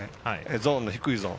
ゾーンの低いゾーン。